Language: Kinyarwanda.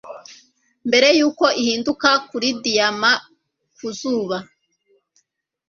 Mbere yuko ihinduka kuri diyama ku zuba